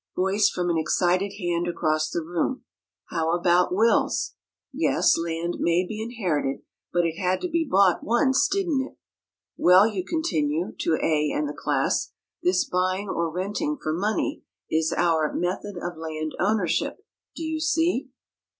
Voice from an excited hand across the room, "How about wills?" "Yes, land may be inherited, but it had to be bought once, didn't it?" "Well," you continue, to A and the class, "this buying or renting for money is our 'method of land ownership,' do you see?